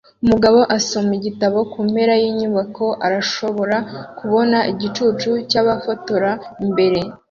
Umugabo asoma igitabo kumpera yinyubako urashobora kubona igicucu cyabafotora imbere